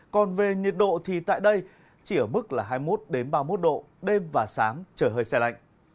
còn về nhiệt độ thì tại đây chỉ ở mức là hai mươi một ba mươi một độ đêm và sáng trời hơi xe lạnh